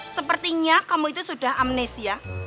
sepertinya kamu itu sudah amnesia